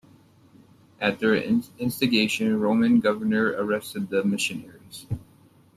At their instigation, Roman Governor arrested the missionaries.